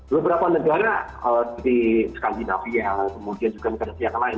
beberapa negara seperti skandinavia kemudian juga negara yang lain